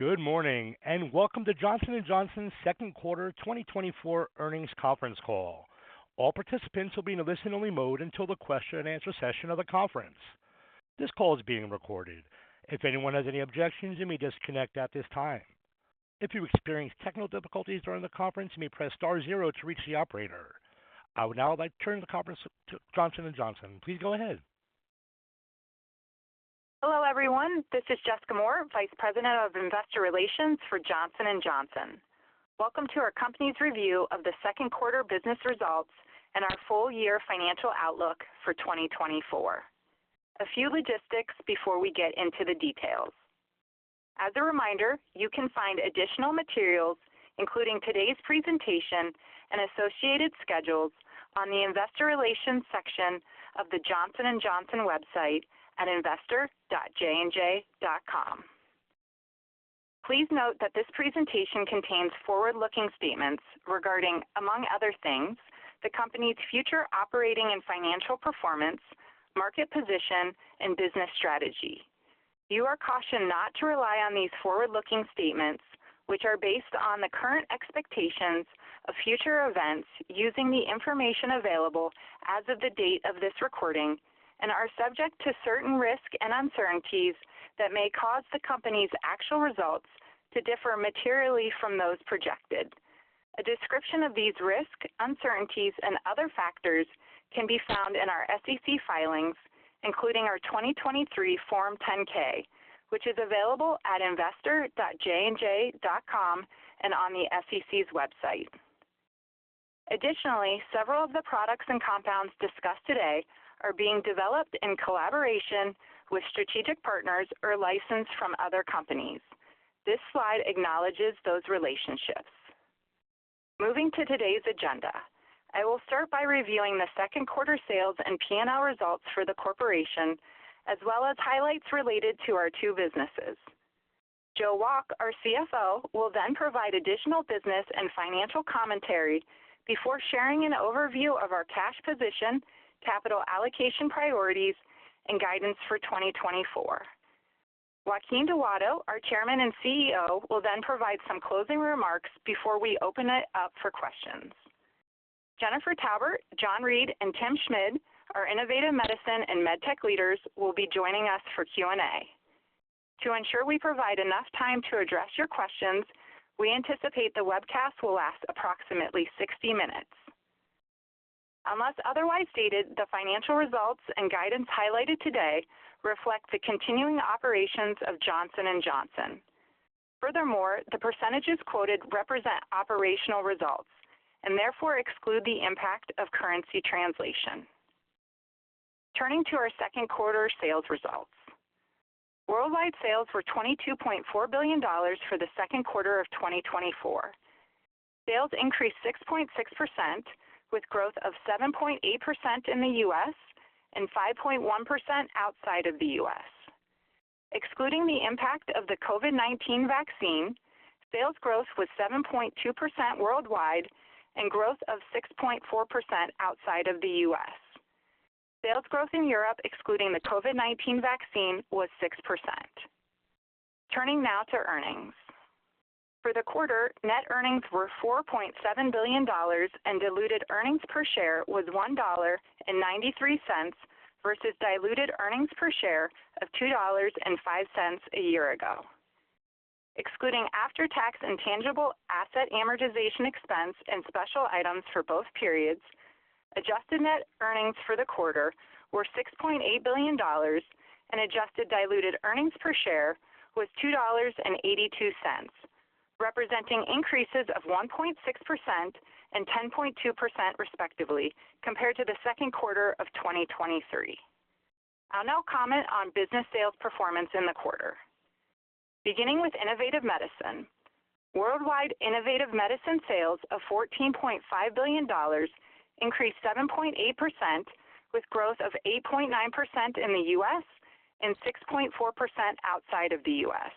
Good morning, and welcome to Johnson & Johnson's second quarter 2024 earnings conference call. All participants will be in a listen-only mode until the question-and-answer session of the conference. This call is being recorded. If anyone has any objections, you may disconnect at this time. If you experience technical difficulties during the conference, you may press star zero to reach the operator. I would now like to turn the conference to Johnson & Johnson. Please go ahead. Hello, everyone. This is Jessica Moore, Vice President of Investor Relations for Johnson & Johnson. Welcome to our company's review of the second quarter business results and our full year financial outlook for 2024. A few logistics before we get into the details. As a reminder, you can find additional materials, including today's presentation and associated schedules, on the Investor Relations section of the Johnson & Johnson website at investor.jnj.com. Please note that this presentation contains forward-looking statements regarding, among other things, the company's future operating and financial performance, market position, and business strategy. You are cautioned not to rely on these forward-looking statements, which are based on the current expectations of future events using the information available as of the date of this recording and are subject to certain risks and uncertainties that may cause the company's actual results to differ materially from those projected. A description of these risks, uncertainties and other factors can be found in our SEC filings, including our 2023 Form 10-K, which is available at investor.jnj.com and on the SEC's website. Additionally, several of the products and compounds discussed today are being developed in collaboration with strategic partners or licensed from other companies. This slide acknowledges those relationships. Moving to today's agenda, I will start by reviewing the second quarter sales and P&L results for the corporation, as well as highlights related to our two businesses. Joe Wolk, our CFO, will then provide additional business and financial commentary before sharing an overview of our cash position, capital allocation priorities, and guidance for 2024. Joaquin Duato, our Chairman and CEO, will then provide some closing remarks before we open it up for questions. Jennifer Taubert, John Reed, and Tim Schmid, our Innovative Medicine and MedTech leaders, will be joining us for Q&A. To ensure we provide enough time to address your questions, we anticipate the webcast will last approximately 60 minutes. Unless otherwise stated, the financial results and guidance highlighted today reflect the continuing operations of Johnson & Johnson. Furthermore, the percentages quoted represent operational results and therefore exclude the impact of currency translation. Turning to our second quarter sales results. Worldwide sales were $22.4 billion for the second quarter of 2024. Sales increased 6.6%, with growth of 7.8% in the U.S. and 5.1% outside of the U.S. Excluding the impact of the COVID-19 vaccine, sales growth was 7.2% worldwide and growth of 6.4% outside of the U.S. Sales growth in Europe, excluding the COVID-19 vaccine, was 6%. Turning now to earnings. For the quarter, net earnings were $4.7 billion, and diluted earnings per share was $1.93 versus diluted earnings per share of $2.05 a year ago. Excluding after-tax and tangible asset amortization expense and special items for both periods, adjusted net earnings for the quarter were $6.8 billion, and adjusted diluted earnings per share was $2.82, representing increases of 1.6% and 10.2%, respectively, compared to the second quarter of 2023. I'll now comment on business sales performance in the quarter. Beginning with Innovative Medicine. Worldwide Innovative Medicine sales of $14.5 billion increased 7.8%, with growth of 8.9% in the U.S. and 6.4% outside of the U.S.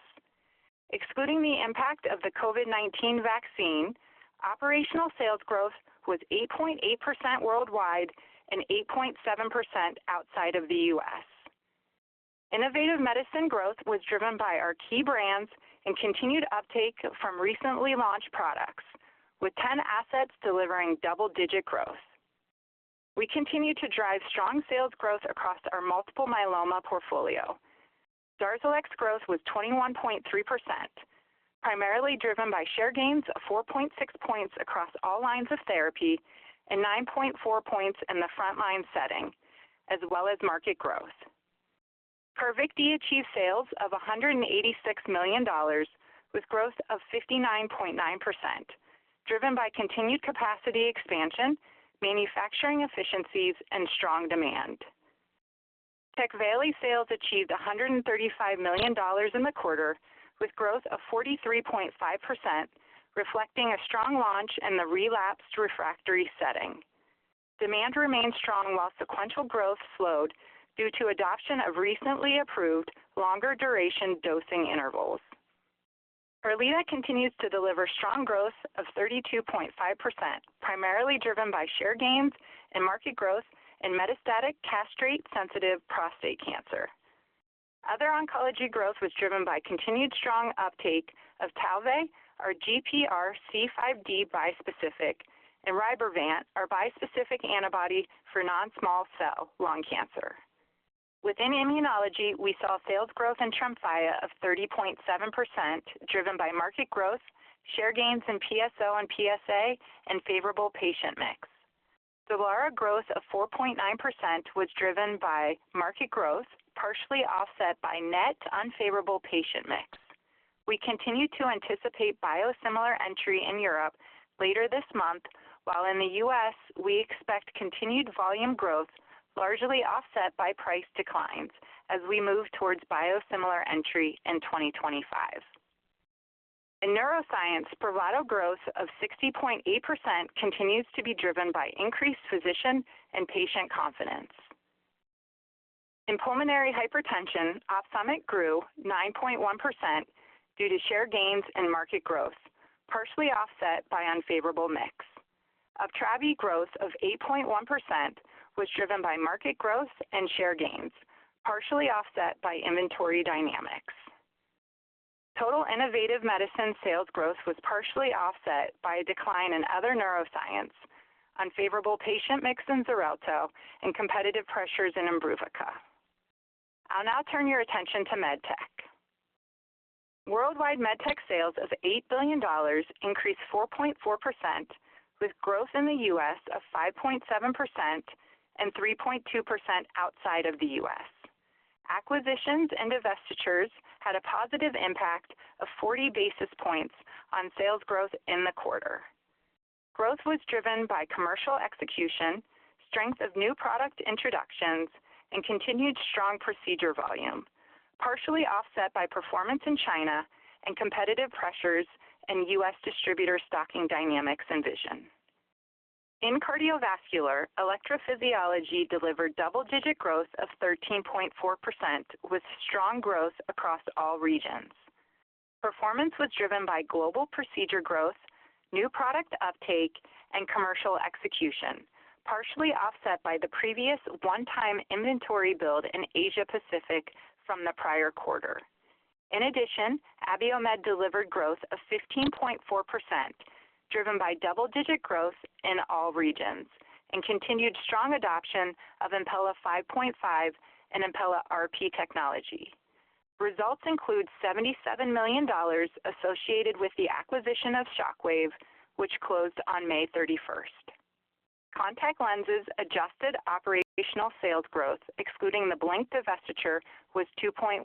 Excluding the impact of the COVID-19 vaccine, operational sales growth was 8.8% worldwide and 8.7% outside of the U.S. Innovative Medicine growth was driven by our key brands and continued uptake from recently launched products, with 10 assets delivering double-digit growth. We continue to drive strong sales growth across our multiple myeloma portfolio. DARZALEX growth was 21.3%, primarily driven by share gains of 4.6 points across all lines of therapy and 9.4 points in the frontline setting, as well as market growth. CARVYKTI achieved sales of $186 million, with growth of 59.9%, driven by continued capacity expansion, manufacturing efficiencies, and strong demand. TECVAYLI sales achieved $135 million in the quarter, with growth of 43.5%, reflecting a strong launch in the relapsed refractory setting. Demand remained strong, while sequential growth slowed due to adoption of recently approved longer duration dosing intervals. ERLEADA continues to deliver strong growth of 32.5%, primarily driven by share gains and market growth in metastatic castrate-sensitive prostate cancer. Other oncology growth was driven by continued strong uptake of TALVEY, our GPRC5D bispecific, and RYBREVANT, our bispecific antibody for non-small cell lung cancer. Within Immunology, we saw sales growth in TREMFYA of 30.7%, driven by market growth, share gains in PSO and PSA, and favorable patient mix. STELARA growth of 4.9% was driven by market growth, partially offset by net unfavorable patient mix. We continue to anticipate biosimilar entry in Europe later this month, while in the U.S., we expect continued volume growth, largely offset by price declines as we move towards biosimilar entry in 2025. In Neuroscience, SPRAVATO growth of 60.8% continues to be driven by increased physician and patient confidence. In Pulmonary Hypertension, OPSUMIT grew 9.1% due to share gains and market growth, partially offset by unfavorable mix. UPTRAVI growth of 8.1% was driven by market growth and share gains, partially offset by inventory dynamics. Total Innovative Medicine sales growth was partially offset by a decline in other neuroscience, unfavorable patient mix in XARELTO, and competitive pressures in IMBRUVICA. I'll now turn your attention to MedTech. Worldwide MedTech sales of $8 billion increased 4.4%, with growth in the U.S. of 5.7% and 3.2% outside of the U.S. Acquisitions and divestitures had a positive impact of 40 basis points on sales growth in the quarter. Growth was driven by commercial execution, strength of new product introductions, and continued strong procedure volume, partially offset by performance in China and competitive pressures in U.S. distributor stocking dynamics and vision. In cardiovascular, electrophysiology delivered double-digit growth of 13.4%, with strong growth across all regions. Performance was driven by global procedure growth, new product uptake, and commercial execution, partially offset by the previous one-time inventory build in Asia Pacific from the prior quarter. In addition, Abiomed delivered growth of 15.4%, driven by double-digit growth in all regions and continued strong adoption of Impella 5.5 and Impella RP technology. Results include $77 million associated with the acquisition of Shockwave, which closed on May 31st. Contact Lenses adjusted operational sales growth, excluding the BLINK divestiture, was 2.1%.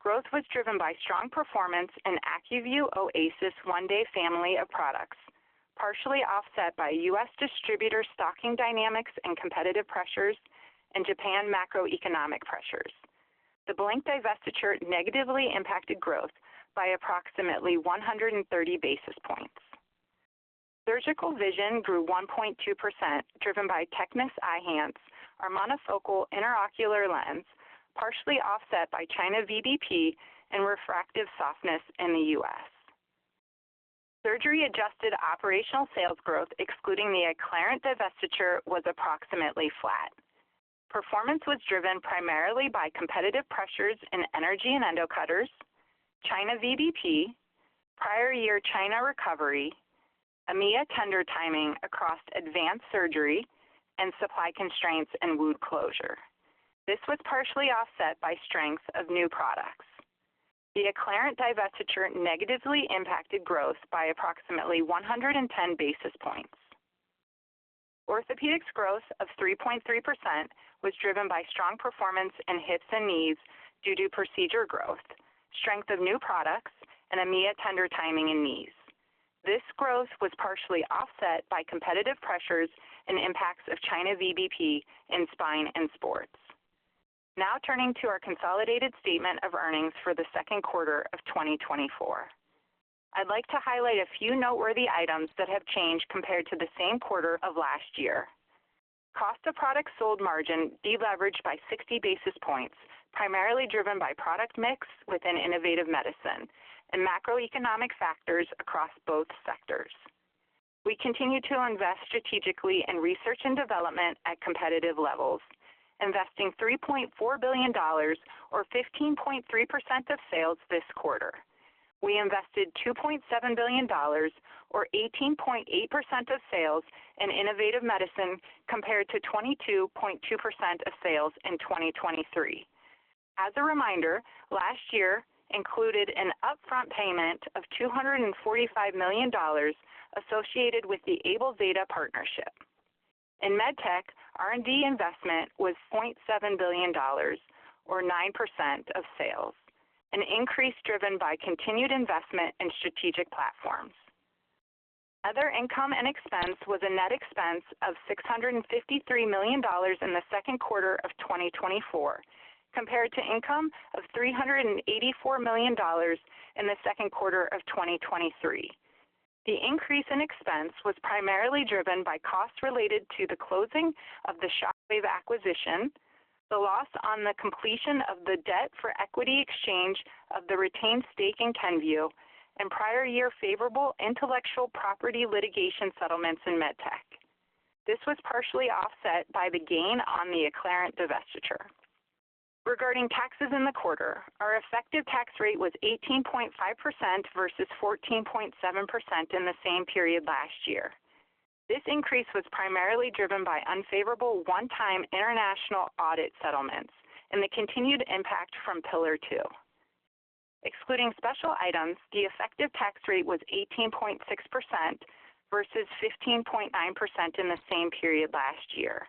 Growth was driven by strong performance in ACUVUE OASYS 1-Day family of products, partially offset by U.S. distributor stocking dynamics and competitive pressures in Japan, macroeconomic pressures. The BLINK divestiture negatively impacted growth by approximately 130 basis points. Surgical Vision grew 1.2%, driven by TECNIS Eyhance, our monofocal intraocular lens, partially offset by China VBP and refractive softness in the US. Surgery adjusted operational sales growth, excluding the ACCLARENT divestiture, was approximately flat. Performance was driven primarily by competitive pressures in Energy and Endocutters, China VBP, prior year China recovery, EMEA tender timing across advanced surgery, and supply constraints and wound closure. This was partially offset by strength of new products. The ACCLARENT divestiture negatively impacted growth by approximately 110 basis points. Orthopedics growth of 3.3% was driven by strong performance in hips and knees due to procedure growth, strength of new products, and EMEA tender timing in knees. This growth was partially offset by competitive pressures and impacts of China VBP in spine and sports. Now turning to our consolidated statement of earnings for the second quarter of 2024. I'd like to highlight a few noteworthy items that have changed compared to the same quarter of last year. Cost of product sold margin deleveraged by 60 basis points, primarily driven by product mix within Innovative Medicine and macroeconomic factors across both sectors. We continue to invest strategically in research and development at competitive levels, investing $3.4 billion or 15.3% of sales this quarter. We invested $2.7 billion or 18.8% of sales in innovative medicine, compared to 22.2% of sales in 2023. As a reminder, last year included an upfront payment of $245 million associated with the AbelZeta partnership. In MedTech, R&D investment was $0.7 billion or 9% of sales, an increase driven by continued investment in strategic platforms. Other income and expense was a net expense of $653 million in the second quarter of 2024, compared to income of $384 million in the second quarter of 2023. The increase in expense was primarily driven by costs related to the closing of the Shockwave acquisition, the loss on the completion of the debt for equity exchange of the retained stake in Kenvue, and prior year favorable intellectual property litigation settlements in MedTech. This was partially offset by the gain on the ACCLARENT divestiture. Regarding taxes in the quarter, our effective tax rate was 18.5% versus 14.7% in the same period last year. This increase was primarily driven by unfavorable one-time international audit settlements and the continued impact from Pillar Two. Excluding special items, the effective tax rate was 18.6% versus 15.9% in the same period last year.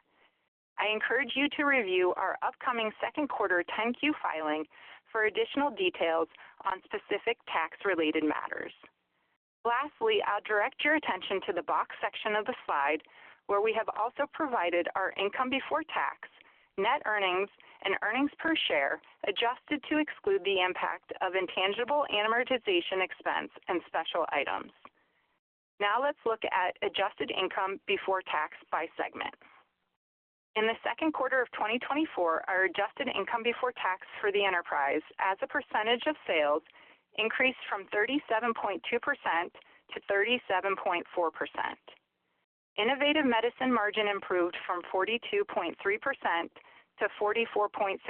I encourage you to review our upcoming second quarter 10-Q filing for additional details on specific tax-related matters. Lastly, I'll direct your attention to the box section of the slide, where we have also provided our income before tax, net earnings, and earnings per share, adjusted to exclude the impact of intangible amortization expense and special items. Now let's look at adjusted income before tax by segment. In the second quarter of 2024, our adjusted income before tax for the enterprise as a percentage of sales, increased from 37.2% to 37.4%. Innovative medicine margin improved from 42.3% to 44.6%,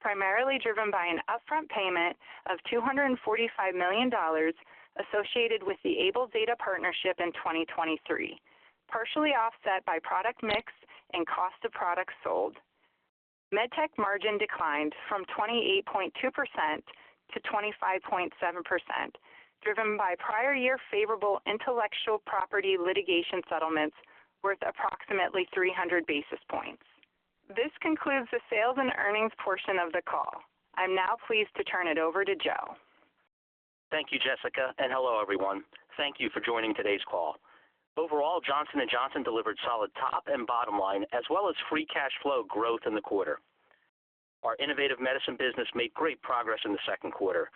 primarily driven by an upfront payment of $245 million associated with the AbelZeta partnership in 2023, partially offset by product mix and cost of products sold. MedTech margin declined from 28.2% to 25.7%, driven by prior year favorable intellectual property litigation settlements worth approximately 300 basis points. This concludes the sales and earnings portion of the call. I'm now pleased to turn it over to Joe. Thank you, Jessica, and hello, everyone. Thank you for joining today's call. Overall, Johnson & Johnson delivered solid top and bottom line, as well as free cash flow growth in the quarter. Our innovative medicine business made great progress in the second quarter.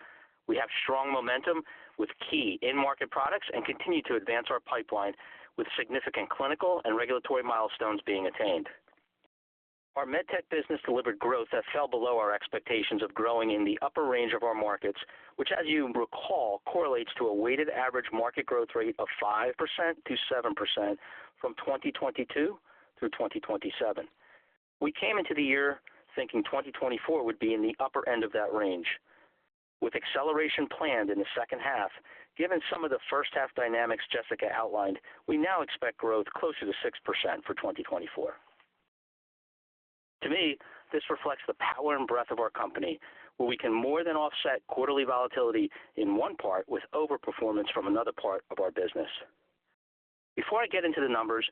We have strong momentum with key end market products and continue to advance our pipeline with significant clinical and regulatory milestones being attained. Our MedTech business delivered growth that fell below our expectations of growing in the upper range of our markets, which, as you recall, correlates to a weighted average market growth rate of 5%-7% from 2022 through 2027. We came into the year thinking 2024 would be in the upper end of that range. With acceleration planned in the second half, given some of the first half dynamics Jessica outlined, we now expect growth closer to 6% for 2024. To me, this reflects the power and breadth of our company, where we can more than offset quarterly volatility in one part with overperformance from another part of our business. Before I get into the numbers,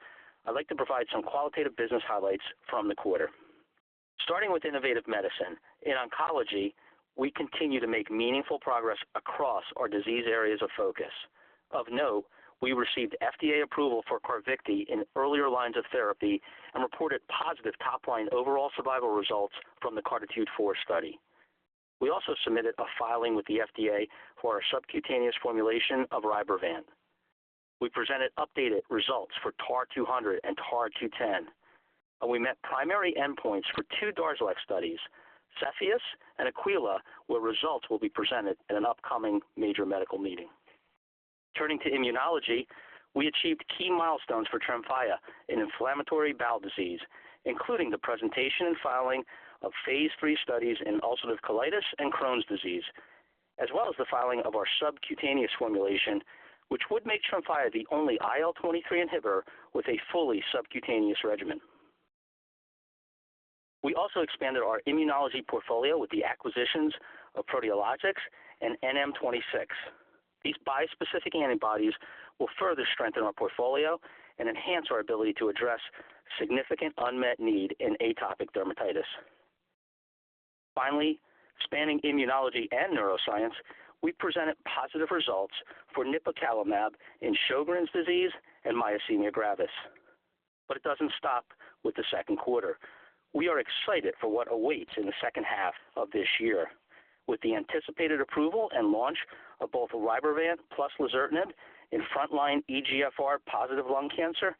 I'd like to provide some qualitative business highlights from the quarter. Starting with Innovative Medicine. In oncology, we continue to make meaningful progress across our disease areas of focus. Of note, we received FDA approval for CARVYKTI in earlier lines of therapy and reported positive top-line overall survival results from the CARTITUDE-4 study. We also submitted a filing with the FDA for our subcutaneous formulation of RYBREVANT. We presented updated results for TAR-200 and TAR-210, and we met primary endpoints for two DARZALEX studies, CEPHEUS and AQUILA, where results will be presented in an upcoming major medical meeting. Turning to immunology, we achieved key milestones for TREMFYA in inflammatory bowel disease, including the presentation and filing of phase III studies in ulcerative colitis and Crohn's disease, as well as the filing of our subcutaneous formulation, which would make TREMFYA the only IL-23 inhibitor with a fully subcutaneous regimen. We also expanded our immunology portfolio with the acquisitions of Proteologix and NM26. These bispecific antibodies will further strengthen our portfolio and enhance our ability to address significant unmet need in atopic dermatitis. Finally, spanning immunology and neuroscience, we presented positive results for nipocalimab in Sjogren's disease and myasthenia gravis. But it doesn't stop with the second quarter. We are excited for what awaits in the second half of this year. With the anticipated approval and launch of both RYBREVANT plus lazertinib in frontline EGFR-positive lung cancer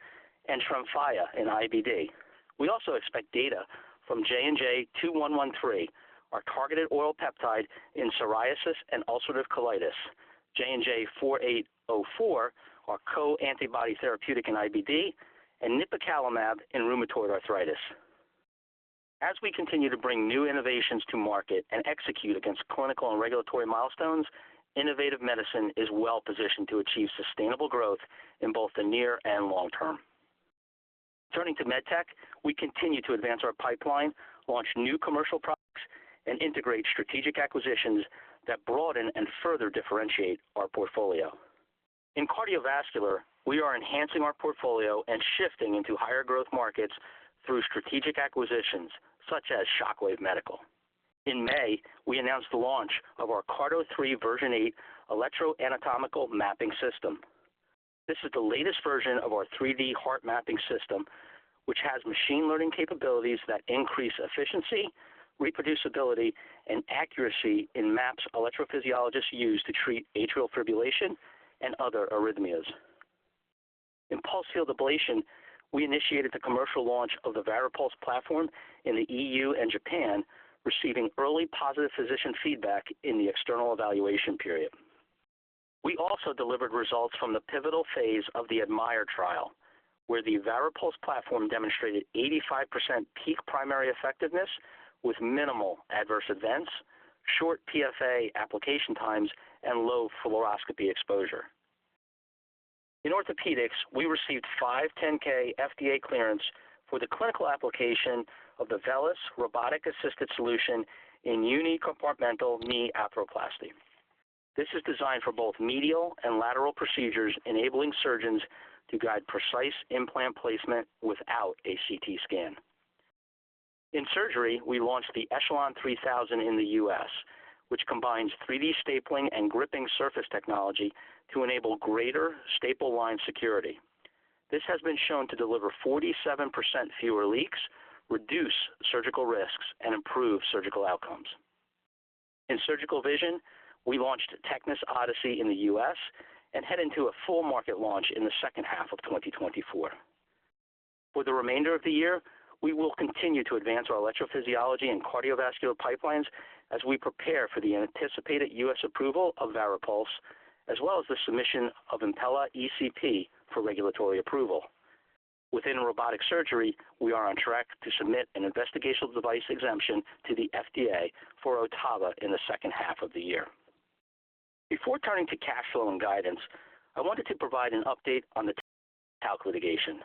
and TREMFYA in IBD. We also expect data from JNJ-2113, our targeted oral peptide in psoriasis and ulcerative colitis, JNJ-4804, our co-antibody therapeutic in IBD, and nipocalimab in rheumatoid arthritis. As we continue to bring new innovations to market and execute against clinical and regulatory milestones, Innovative Medicine is well positioned to achieve sustainable growth in both the near and long term. Turning to MedTech, we continue to advance our pipeline, launch new commercial products, and integrate strategic acquisitions that broaden and further differentiate our portfolio. In cardiovascular, we are enhancing our portfolio and shifting into higher growth markets through strategic acquisitions such as Shockwave Medical. In May, we announced the launch of our CARTO 3 Version 8 electroanatomical mapping system. This is the latest version of our 3D heart mapping system, which has machine learning capabilities that increase efficiency, reproducibility, and accuracy in maps electrophysiologists use to treat atrial fibrillation and other arrhythmias. In Pulse Field Ablation, we initiated the commercial launch of the VARIPULSE platform in the EU and Japan, receiving early positive physician feedback in the external evaluation period. We also delivered results from the pivotal phase of the admIRE trial, where the VARIPULSE platform demonstrated 85% peak primary effectiveness with minimal adverse events, short PFA application times, and low fluoroscopy exposure. In orthopedics, we received 510(k) FDA clearance for the clinical application of the VELYS Robotic-Assisted Solution in unicompartmental knee arthroplasty. This is designed for both medial and lateral procedures, enabling surgeons to guide precise implant placement without a CT scan. In surgery, we launched the ECHELON 3000 in the U.S., which combines 3D stapling and gripping surface technology to enable greater staple line security. This has been shown to deliver 47% fewer leaks, reduce surgical risks, and improve surgical outcomes. In surgical vision, we launched TECNIS Odyssey in the U.S. and head into a full market launch in the second half of 2024. For the remainder of the year, we will continue to advance our electrophysiology and cardiovascular pipelines as we prepare for the anticipated U.S. approval of VARIPULSE, as well as the submission of Impella ECP for regulatory approval. Within robotic surgery, we are on track to submit an investigational device exemption to the FDA for OTTAVA in the second half of the year. Before turning to cash flow and guidance, I wanted to provide an update on the talc litigation.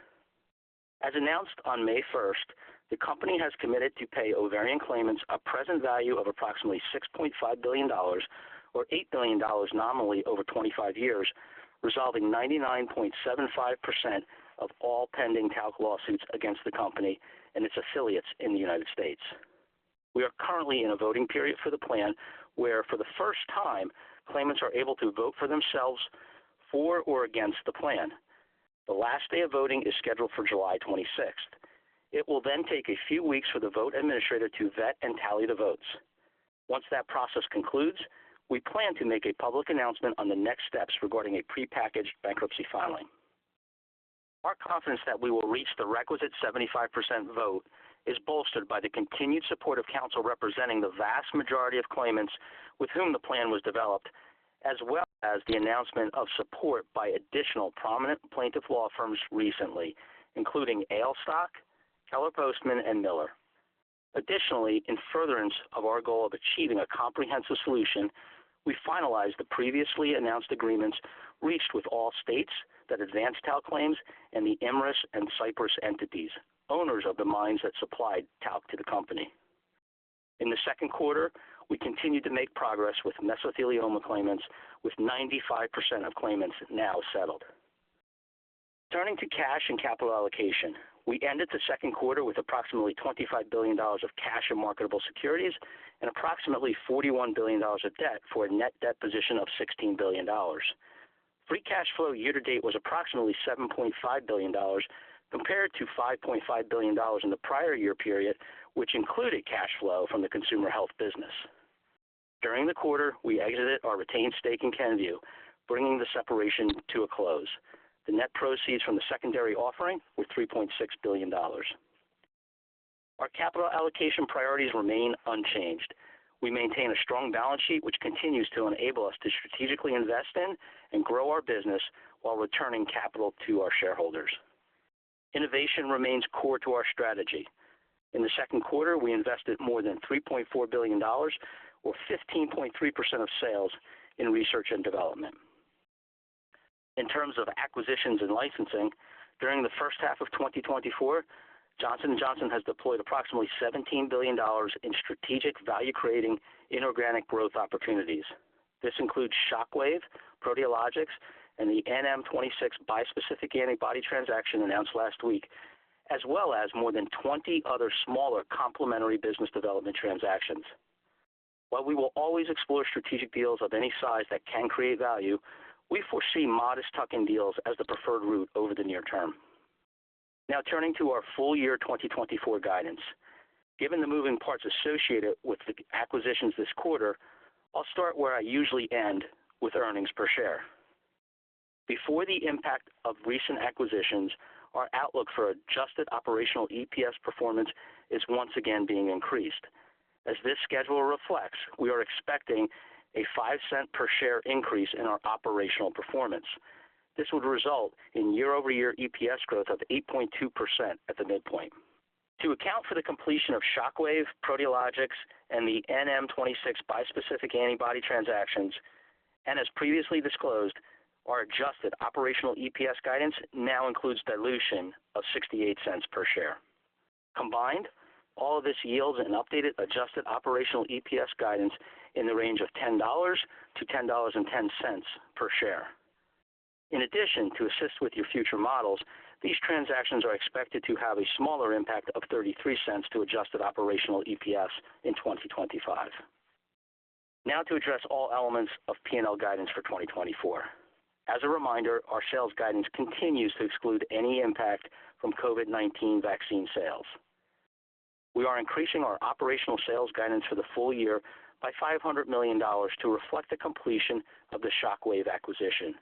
As announced on May 1st, the company has committed to pay ovarian claimants a present value of approximately $6.5 billion, or $8 billion nominally over 25 years, resolving 99.75% of all pending talc lawsuits against the company and its affiliates in the United States. We are currently in a voting period for the plan, where for the first time, claimants are able to vote for themselves, for or against the plan. The last day of voting is scheduled for July 26. It will then take a few weeks for the vote administrator to vet and tally the votes. Once that process concludes, we plan to make a public announcement on the next steps regarding a prepackaged bankruptcy filing. Our confidence that we will reach the requisite 75% vote is bolstered by the continued support of counsel representing the vast majority of claimants with whom the plan was developed, as well as the announcement of support by additional prominent plaintiff law firms recently, including Aylstock, Keller Postman, and Miller. Additionally, in furtherance of our goal of achieving a comprehensive solution, we finalized the previously announced agreements reached with all states that advanced talc claims and the Imerys and Cyprus entities, owners of the mines that supplied talc to the company. In the second quarter, we continued to make progress with mesothelioma claimants, with 95% of claimants now settled. Turning to cash and capital allocation, we ended the second quarter with approximately $25 billion of cash and marketable securities, and approximately $41 billion of debt for a net debt position of $16 billion. Free cash flow year-to-date was approximately $7.5 billion, compared to $5.5 billion in the prior year period, which included cash flow from the consumer health business. During the quarter, we exited our retained stake in Kenvue, bringing the separation to a close. The net proceeds from the secondary offering were $3.6 billion. Our capital allocation priorities remain unchanged. We maintain a strong balance sheet, which continues to enable us to strategically invest in and grow our business while returning capital to our shareholders. Innovation remains core to our strategy. In the second quarter, we invested more than $3.4 billion or 15.3% of sales in research and development. In terms of acquisitions and licensing, during the first half of 2024, Johnson & Johnson has deployed approximately $17 billion in strategic value-creating inorganic growth opportunities. This includes Shockwave, Proteologix, and the NM26 bispecific antibody transaction announced last week, as well as more than 20 other smaller complementary business development transactions. While we will always explore strategic deals of any size that can create value, we foresee modest tuck-in deals as the preferred route over the near term. Now, turning to our full year 2024 guidance. Given the moving parts associated with the acquisitions this quarter, I'll start where I usually end, with earnings per share. Before the impact of recent acquisitions, our outlook for adjusted operational EPS performance is once again being increased. As this schedule reflects, we are expecting a $0.05 per share increase in our operational performance. This would result in year-over-year EPS growth of 8.2% at the midpoint. To account for the completion of Shockwave, Proteologix, and the NM26 bispecific antibody transactions, and as previously disclosed, our adjusted operational EPS guidance now includes dilution of $0.68 per share. Combined, all of this yields an updated adjusted operational EPS guidance in the range of $10-$10.10 per share. In addition, to assist with your future models, these transactions are expected to have a smaller impact of $0.33 to adjusted operational EPS in 2025. Now to address all elements of P&L guidance for 2024. As a reminder, our sales guidance continues to exclude any impact from COVID-19 vaccine sales. We are increasing our operational sales guidance for the full year by $500 million to reflect the completion of the Shockwave acquisition.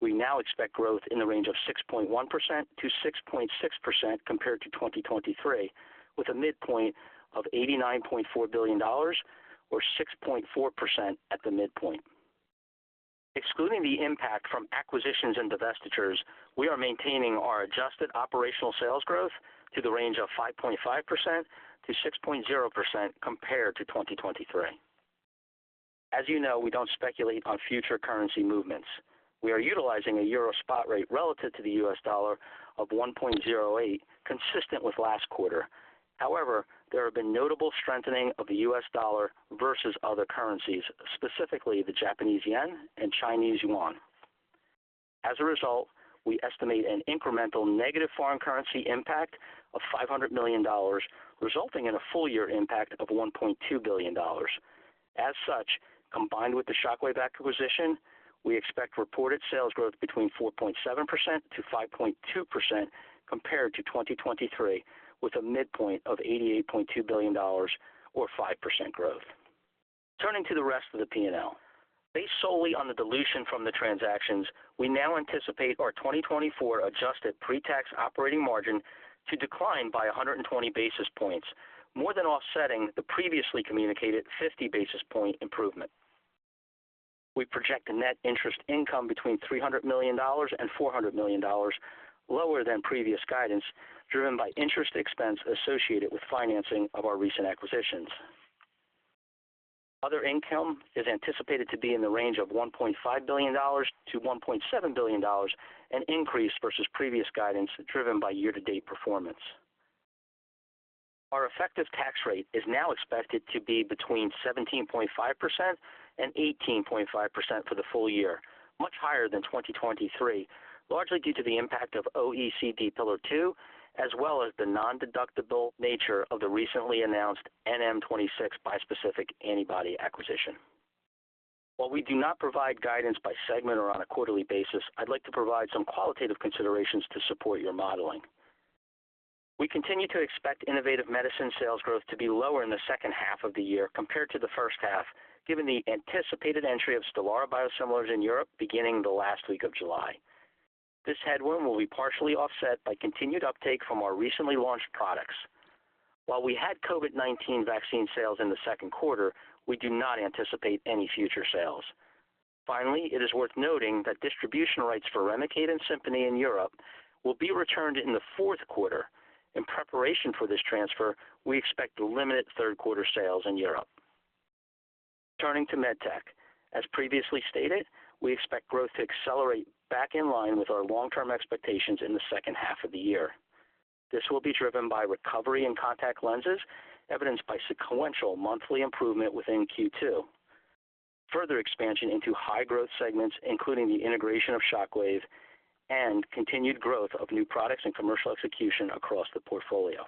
We now expect growth in the range of 6.1%-6.6% compared to 2023, with a midpoint of $89.4 billion, or 6.4% at the midpoint. Excluding the impact from acquisitions and divestitures, we are maintaining our adjusted operational sales growth to the range of 5.5%-6.0% compared to 2023. As you know, we don't speculate on future currency movements. We are utilizing a euro spot rate relative to the US dollar of 1.08, consistent with last quarter. However, there have been notable strengthening of the US dollar versus other currencies, specifically the Japanese yen and Chinese yuan. As a result, we estimate an incremental negative foreign currency impact of $500 million, resulting in a full year impact of $1.2 billion. As such, combined with the Shockwave acquisition, we expect reported sales growth between 4.7%-5.2% compared to 2023, with a midpoint of $88.2 billion or 5% growth. Turning to the rest of the P&L. Based solely on the dilution from the transactions, we now anticipate our 2024 adjusted pretax operating margin to decline by 120 basis points, more than offsetting the previously communicated 50 basis point improvement. We project a net interest income between $300 million and $400 million lower than previous guidance, driven by interest expense associated with financing of our recent acquisitions. Other income is anticipated to be in the range of $1.5 billion-$1.7 billion, an increase versus previous guidance, driven by year-to-date performance. Our effective tax rate is now expected to be between 17.5% and 18.5% for the full year, much higher than 2023, largely due to the impact of OECD Pillar Two, as well as the nondeductible nature of the recently announced NM26 bispecific antibody acquisition. While we do not provide guidance by segment or on a quarterly basis, I'd like to provide some qualitative considerations to support your modeling. We continue to expect innovative medicine sales growth to be lower in the second half of the year compared to the first half, given the anticipated entry of STELARA biosimilars in Europe beginning the last week of July. This headwind will be partially offset by continued uptake from our recently launched products. While we had COVID-19 vaccine sales in the second quarter, we do not anticipate any future sales. Finally, it is worth noting that distribution rights for REMICADE and SIMPONI in Europe will be returned in the fourth quarter. In preparation for this transfer, we expect limited third quarter sales in Europe. Turning to Med Tech, as previously stated, we expect growth to accelerate back in line with our long-term expectations in the second half of the year. This will be driven by recovery in contact lenses, evidenced by sequential monthly improvement within Q2. Further expansion into high growth segments, including the integration of Shockwave and continued growth of new products and commercial execution across the portfolio.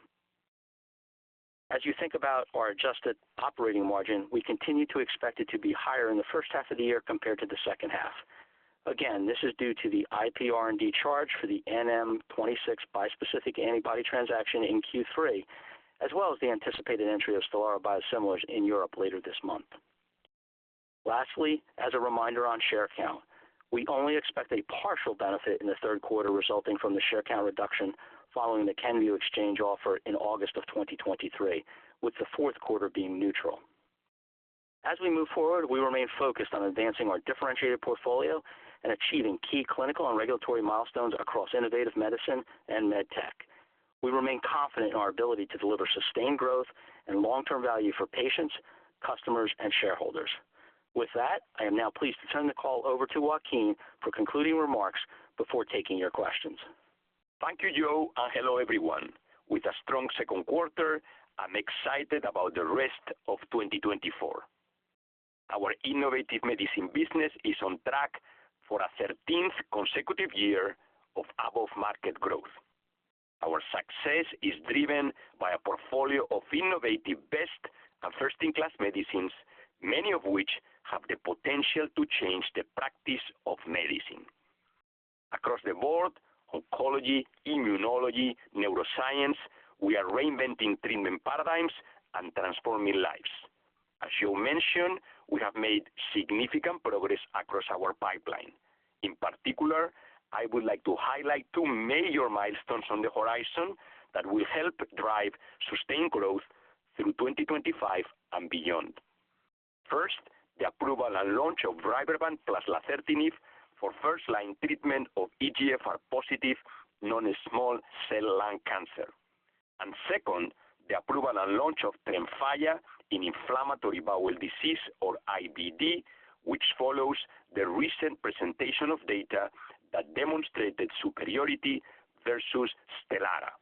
As you think about our adjusted operating margin, we continue to expect it to be higher in the first half of the year compared to the second half. Again, this is due to the IP R&D charge for the NM26 bispecific antibody transaction in Q3, as well as the anticipated entry of STELARA biosimilars in Europe later this month. Lastly, as a reminder on share count, we only expect a partial benefit in the third quarter, resulting from the share count reduction following the Kenvue exchange offer in August 2023, with the fourth quarter being neutral. As we move forward, we remain focused on advancing our differentiated portfolio and achieving key clinical and regulatory milestones across Innovative Medicine and Med Tech. We remain confident in our ability to deliver sustained growth and long-term value for patients, customers, and shareholders. With that, I am now pleased to turn the call over to Joaquin for concluding remarks before taking your questions. Thank you, Joe, and hello, everyone. With a strong second quarter, I'm excited about the rest of 2024. Our Innovative Medicine business is on track for a 13th consecutive year of above-market growth. Our success is driven by a portfolio of innovative, best, and first-in-class medicines, many of which have the potential to change the practice of medicine. Across the board, oncology, immunology, neuroscience, we are reinventing treatment paradigms and transforming lives. As you mentioned, we have made significant progress across our pipeline. In particular, I would like to highlight two major milestones on the horizon that will help drive sustained growth through 2025 and beyond. First, the approval and launch of RYBREVANT plus lazertinib for first-line treatment of EGFR-positive, non-small cell lung cancer. And second, the approval and launch of TREMFYA in inflammatory bowel disease, or IBD, which follows the recent presentation of data that demonstrated superiority versus STELARA.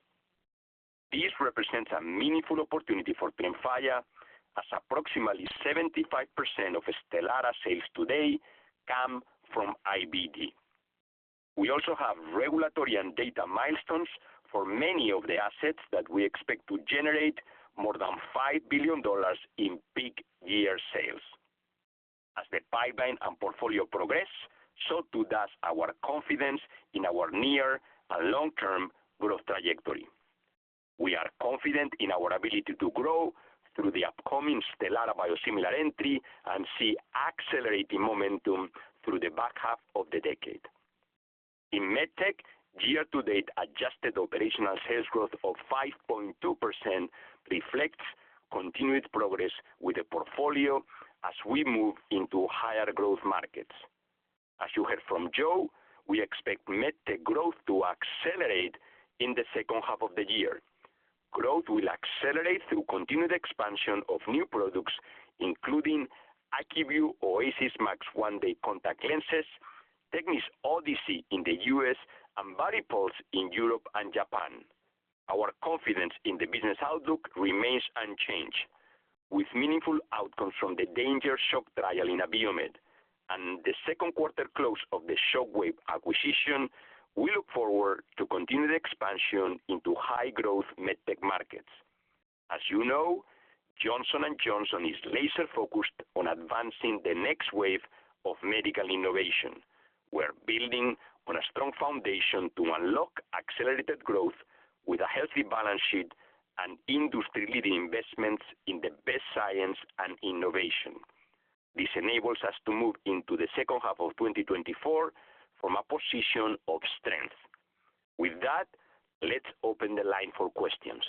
This represents a meaningful opportunity for TREMFYA, as approximately 75% of STELARA sales today come from IBD. We also have regulatory and data milestones for many of the assets that we expect to generate more than $5 billion in peak year sales. As the pipeline and portfolio progress, so too does our confidence in our near and long-term growth trajectory. We are confident in our ability to grow through the upcoming STELARA biosimilar entry and see accelerating momentum through the back half of the decade. In MedTech, year-to-date adjusted operational sales growth of 5.2% reflects continued progress with the portfolio as we move into higher growth markets. As you heard from Joe, we expect MedTech growth to accelerate in the second half of the year. Growth will accelerate through continued expansion of new products, including ACUVUE OASYS MAX 1-Day contact lenses, TECNIS Odyssey in the U.S., and VARIPULSE in Europe and Japan. Our confidence in the business outlook remains unchanged. With meaningful outcomes from the DanGer Shock trial in Abiomed and the second quarter close of the Shockwave acquisition, we look forward to continued expansion into high-growth MedTech markets. As you know, Johnson & Johnson is laser-focused on advancing the next wave of medical innovation. We're building on a strong foundation to unlock accelerated growth with a healthy balance sheet and industry-leading investments in the best science and innovation. This enables us to move into the second half of 2024 from a position of strength. With that, let's open the line for questions.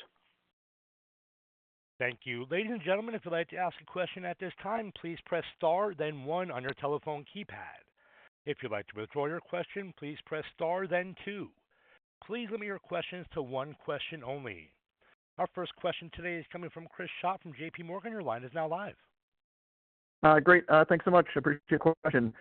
Thank you. Ladies and gentlemen, if you'd like to ask a question at this time, please press star then one on your telephone keypad. If you'd like to withdraw your question, please press star then two. Please limit your questions to one question only. Our first question today is coming from Chris Schott from JPMorgan. Your line is now live. Great. Thanks so much. Appreciate your question.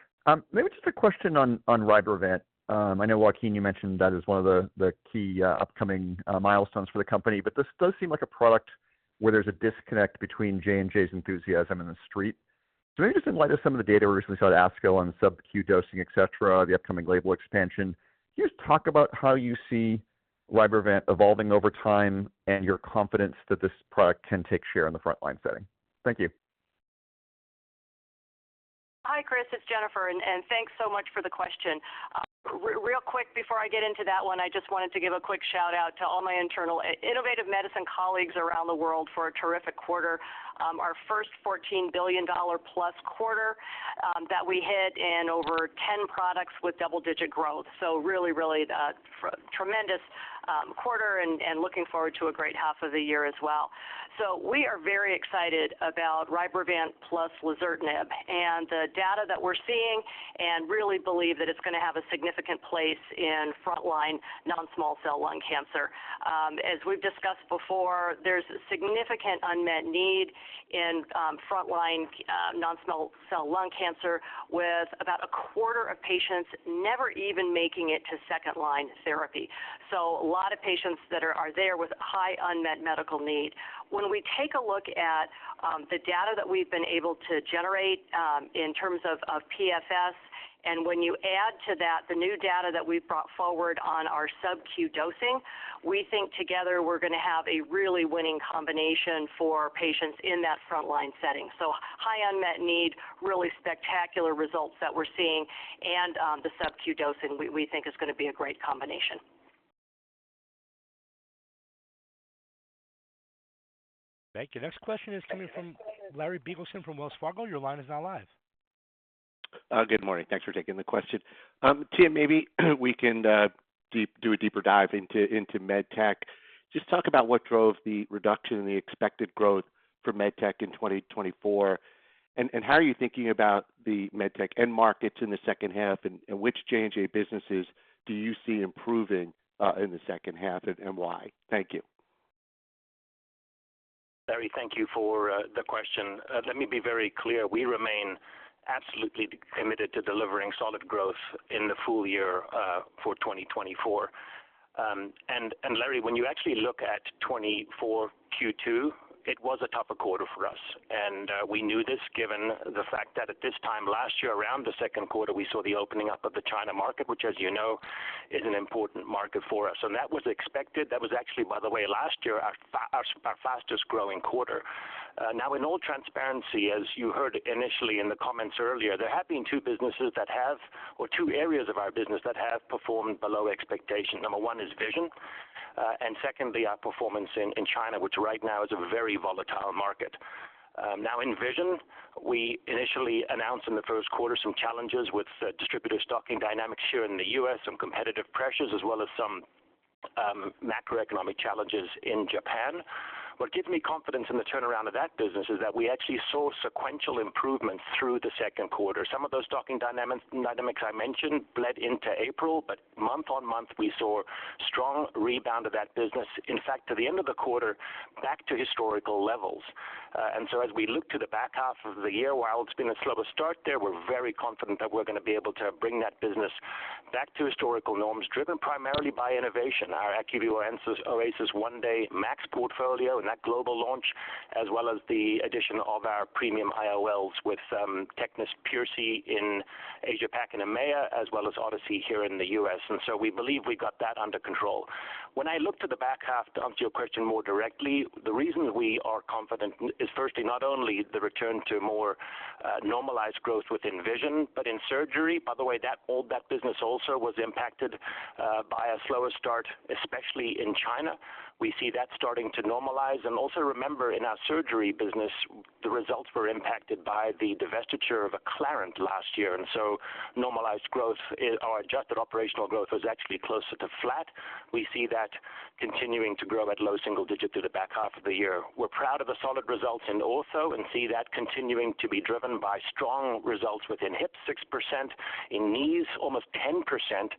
Maybe just a question on RYBREVANT. I know, Joaquin, you mentioned that is one of the key upcoming milestones for the company, but this does seem like a product where there's a disconnect between J&J's enthusiasm and the street. So maybe just in light of some of the data we recently saw at ASCO on the sub-Q dosing, et cetera, the upcoming label expansion, can you just talk about how you see RYBREVANT evolving over time and your confidence that this product can take share in the frontline setting? Thank you. Hi, Chris, it's Jennifer, and thanks so much for the question. Real quick, before I get into that one, I just wanted to give a quick shout-out to all my internal innovative medicine colleagues around the world for a terrific quarter. Our first $14 billion-plus quarter that we hit in over 10 products with double-digit growth. So really, really tremendous quarter and looking forward to a great half of the year as well. So we are very excited about RYBREVANT plus lazertinib, and the data that we're seeing and really believe that it's gonna have a significant place in frontline non-small cell lung cancer. As we've discussed before, there's significant unmet need in frontline non-small cell lung cancer, with about a quarter of patients never even making it to second-line therapy. So a lot of patients that are there with high unmet medical need. When we take a look at the data that we've been able to generate in terms of PFS, and when you add to that the new data that we've brought forward on our sub-Q dosing, we think together we're gonna have a really winning combination for patients in that frontline setting. So high unmet need, really spectacular results that we're seeing, and the sub-Q dosing we think is gonna be a great combination. Thank you. Next question is coming from Larry Biegelsen from Wells Fargo. Your line is now live. Good morning. Thanks for taking the question. Tim, maybe we can do a deeper dive into MedTech. Just talk about what drove the reduction in the expected growth for MedTech in 2024, and how are you thinking about the MedTech end markets in the second half, and which J&J businesses do you see improving in the second half and why? Thank you. Larry, thank you for the question. Let me be very clear: We remain absolutely committed to delivering solid growth in the full year for 2024. And Larry, when you actually look at 2024 Q2, it was a tougher quarter for us, and we knew this given the fact that at this time last year, around the second quarter, we saw the opening up of the China market, which, as you know, is an important market for us, and that was expected. That was actually, by the way, last year, our fastest growing quarter. Now, in all transparency, as you heard initially in the comments earlier, there have been two businesses that have, or two areas of our business that have performed below expectations. Number one is Vision, and secondly, our performance in China, which right now is a very volatile market. Now in Vision, we initially announced in the first quarter some challenges with distributor stocking dynamics here in the U.S., some competitive pressures, as well as some macroeconomic challenges in Japan. What gives me confidence in the turnaround of that business is that we actually saw sequential improvement through the second quarter. Some of those stocking dynamics I mentioned bled into April, but month-on-month, we saw strong rebound of that business. In fact, to the end of the quarter, back to historical levels. And so as we look to the back half of the year, while it's been a slower start there, we're very confident that we're gonna be able to bring that business back to historical norms, driven primarily by innovation. Our ACUVUE OASYS 1-Day MAX portfolio and that global launch, as well as the addition of our premium IOLs with TECNIS PureSee in Asia-Pac and EMEA, as well as ODYSSEY here in the U.S. So we believe we got that under control. When I look to the back half, to answer your question more directly, the reason we are confident is firstly, not only the return to more normalized growth within Vision, but in Surgery. By the way, that old, that business also was impacted by a slower start, especially in China. We see that starting to normalize. Also remember, in our surgery business, the results were impacted by the divestiture of ACCLARENT last year, and so normalized growth, our adjusted operational growth was actually closer to flat. We see that continuing to grow at low single digit through the back half of the year. We're proud of the solid results in Ortho, and see that continuing to be driven by strong results within hip, 6%, in knees, almost 10%,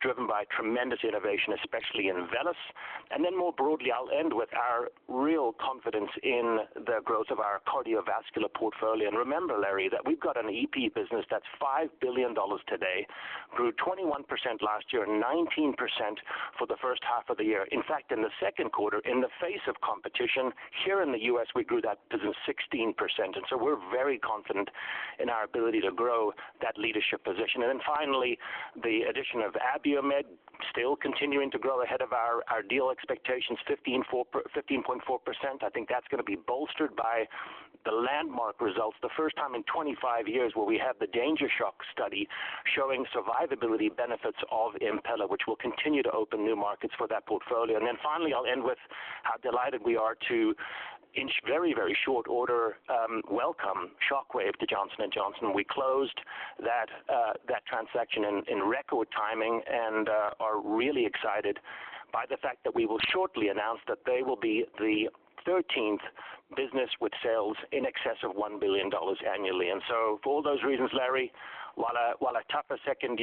driven by tremendous innovation, especially in VELYS. Then more broadly, I'll end with our real confidence in the growth of our Cardiovascular portfolio. Remember, Larry, that we've got an EP business that's $5 billion today, grew 21% last year, and 19% for the first half of the year. In fact, in the second quarter, in the face of competition here in the U.S., we grew that business 16%, and so we're very confident in our ability to grow that leadership position. And then finally, the addition of Abiomed, still continuing to grow ahead of our deal expectations, 15.4%. I think that's gonna be bolstered by the landmark results, the first time in 25 years where we have the DanGer Shock study showing survivability benefits of Impella, which will continue to open new markets for that portfolio. And then finally, I'll end with how delighted we are to inch, in very, very short order, welcome Shockwave to Johnson & Johnson. We closed that transaction in record timing and are really excited by the fact that we will shortly announce that they will be the 13th business with sales in excess of $1 billion annually. And so for all those reasons, Larry, while a tougher second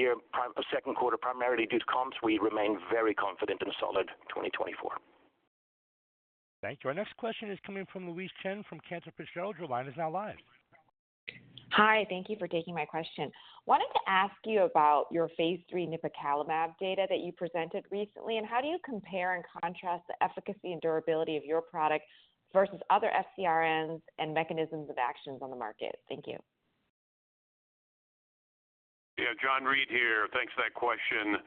quarter, primarily due to comps, we remain very confident in a solid 2024. Thank you. Our next question is coming from Louise Chen from Cantor Fitzgerald. Your line is now live. Hi, thank you for taking my question. Wanted to ask you about your phase III nipocalimab data that you presented recently, and how do you compare and contrast the efficacy and durability of your product versus other FcRNs and mechanisms of actions on the market? Thank you. Yeah. John Reed here. Thanks for that question.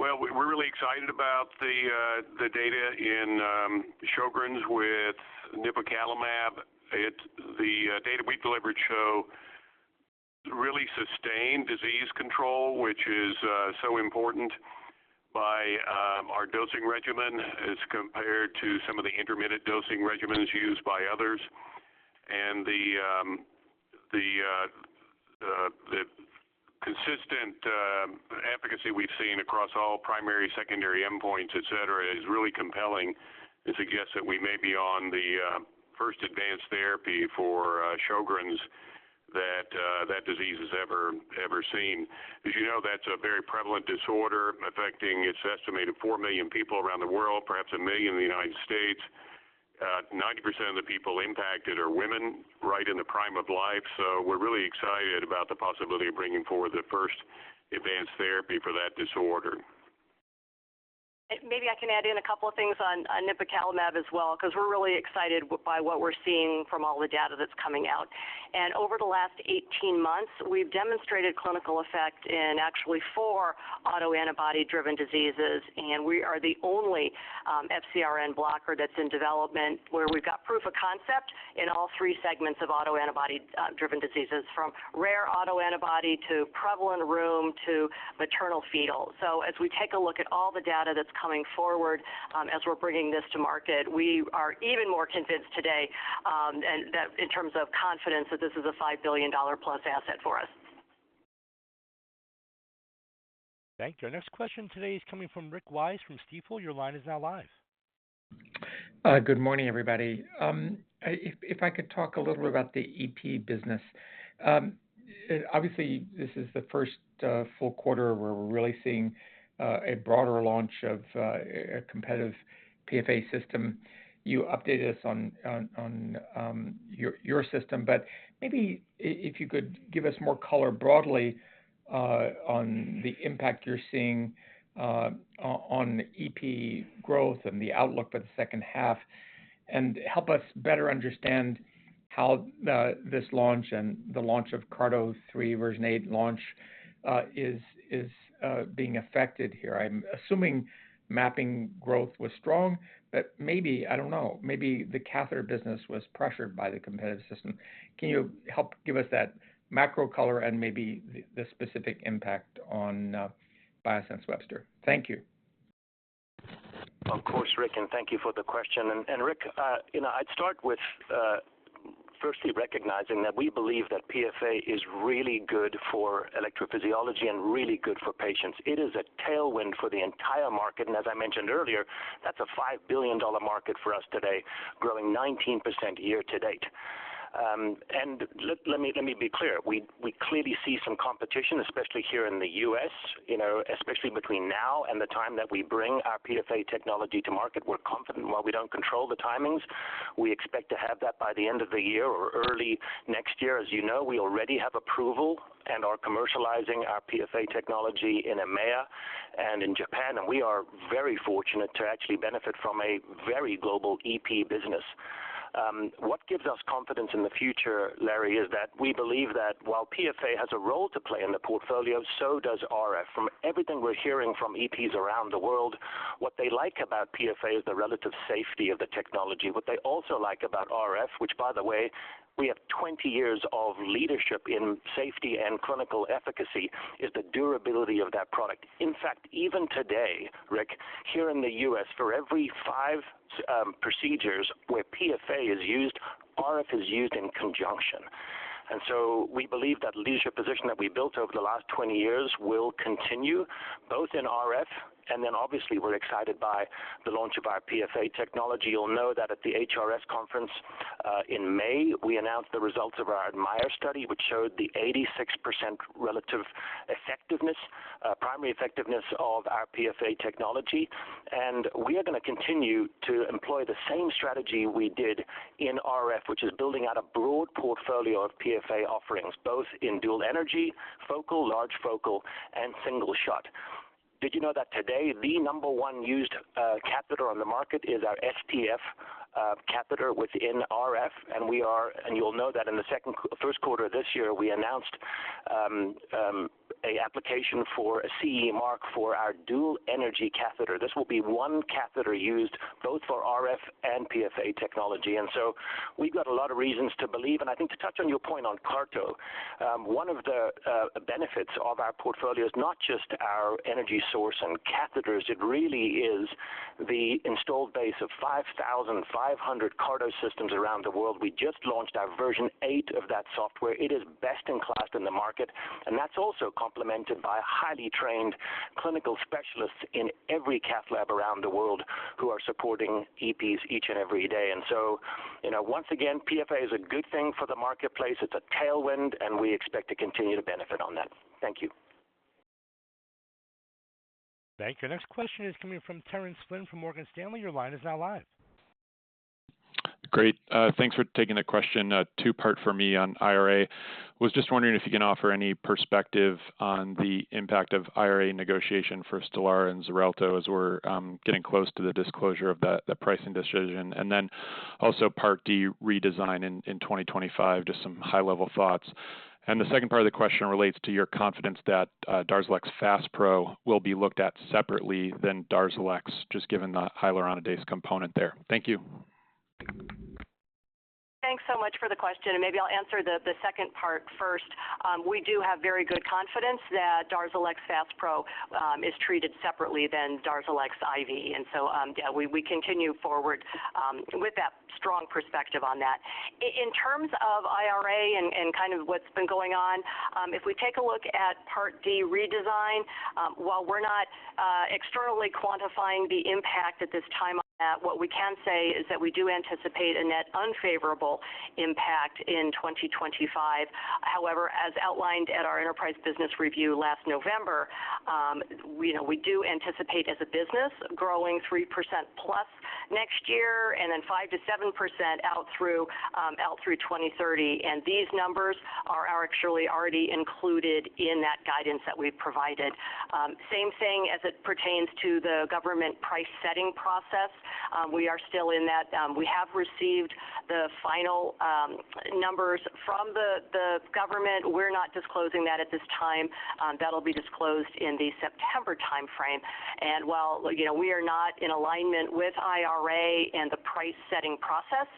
Well, we're really excited about the data in Sjogren's with nipocalimab. It's the data we delivered show really sustained disease control, which is so important by our dosing regimen as compared to some of the intermittent dosing regimens used by others. And the consistent efficacy we've seen across all primary, secondary endpoints, et cetera, is really compelling, it's a guess that we may be on the first advanced therapy for Sjogren's that disease has ever seen. As you know, that's a very prevalent disorder, affecting it's estimated 4 million people around the world, perhaps 1 million in the United States. 90% of the people impacted are women right in the prime of life, so we're really excited about the possibility of bringing forward the first advanced therapy for that disorder. Maybe I can add in a couple of things on, on nipocalimab as well, 'cause we're really excited by what we're seeing from all the data that's coming out. And over the last 18 months, we've demonstrated clinical effect in actually four autoantibody-driven diseases, and we are the only, FcRN blocker that's in development, where we've got proof of concept in all three segments of autoantibody, driven diseases, from rare autoantibody to prevalent rheum to maternal fetal. So as we take a look at all the data that's coming forward, as we're bringing this to market, we are even more convinced today, and that in terms of confidence, that this is a $5 billion-plus asset for us. Thank you. Our next question today is coming from Rick Wise from Stifel. Your line is now live. Good morning, everybody. If I could talk a little bit about the EP business. Obviously, this is the first full quarter where we're really seeing a broader launch of a competitive PFA system. You updated us on your system, but maybe if you could give us more color broadly on the impact you're seeing on EP growth and the outlook for the second half, and help us better understand how this launch and the launch of CARTO 3 Version 8 is being affected here. I'm assuming mapping growth was strong, but maybe, I don't know, maybe the catheter business was pressured by the competitive system. Can you help give us that macro color and maybe the specific impact on Biosense Webster? Thank you. Of course, Rick, and thank you for the question. And, and Rick, you know, I'd start with firstly recognizing that we believe that PFA is really good for electrophysiology and really good for patients. It is a tailwind for the entire market, and as I mentioned earlier, that's a $5 billion market for us today, growing 19% year-to-date. And let me be clear. We clearly see some competition, especially here in the U.S., you know, especially between now and the time that we bring our PFA technology to market. We're confident. While we don't control the timings, we expect to have that by the end of the year or early next year. As you know, we already have approval and are commercializing our PFA technology in EMEA and in Japan, and we are very fortunate to actually benefit from a very global EP business. What gives us confidence in the future, Larry, is that we believe that while PFA has a role to play in the portfolio, so does RF. From everything we're hearing from EPs around the world, what they like about PFA is the relative safety of the technology. What they also like about RF, which, by the way, we have 20 years of leadership in safety and clinical efficacy, is the durability of that product. In fact, even today, Rick, here in the U.S., for every five procedures where PFA is used, RF is used in conjunction. And so we believe that leadership position that we built over the last 20 years will continue, both in RF, and then obviously, we're excited by the launch of our PFA technology. You'll know that at the HRS conference in May, we announced the results of our admIRE study, which showed the 86% relative effectiveness, primary effectiveness of our PFA technology. And we are going to continue to employ the same strategy we did in RF, which is building out a broad portfolio of PFA offerings, both in dual energy, focal, large focal, and single shot. Did you know that today, the number one used catheter on the market is our STSF catheter within RF, and you'll know that in the first quarter of this year, we announced an application for a CE mark for our dual energy catheter. This will be one catheter used both for RF and PFA technology. And so we've got a lot of reasons to believe, and I think to touch on your point on CARTO, one of the benefits of our portfolio is not just our energy source and catheters, it really is the installed base of 5,500 CARTO systems around the world. We just launched our version 8 of that software. It is best in class in the market, and that's also complemented by highly trained clinical specialists in every cath lab around the world who are supporting EPs each and every day. And so, you know, once again, PFA is a good thing for the marketplace. It's a tailwind, and we expect to continue to benefit on that. Thank you. Thank you. Our next question is coming from Terence Flynn from Morgan Stanley. Your line is now live. Great. Thanks for taking the question. A two-part for me on IRA. Was just wondering if you can offer any perspective on the impact of IRA negotiation for STELARA and XARELTO as we're getting close to the disclosure of that, the pricing decision, and then also Part D redesign in 2025, just some high-level thoughts. And the second part of the question relates to your confidence that DARZALEX FASPRO will be looked at separately than DARZALEX, just given the hyaluronidase component there. Thank you. Thanks so much for the question, and maybe I'll answer the second part first. We do have very good confidence that DARZALEX FASPRO is treated separately than DARZALEX IV, and so, yeah, we, we continue forward with that strong perspective on that. In terms of IRA and kind of what's been going on, if we take a look at Part D redesign, while we're not externally quantifying the impact at this time on that, what we can say is that we do anticipate a net unfavorable impact in 2025. However, as outlined at our enterprise business review last November, we know we do anticipate as a business, growing 3%+ next year, and then 5%-7% out through 2030. And these numbers are actually already included in that guidance that we've provided. Same thing as it pertains to the government price-setting process. We are still in that. We have received the final numbers from the government. We're not disclosing that at this time. That'll be disclosed in the September timeframe. While, you know, we are not in alignment with IRA and the price-setting process,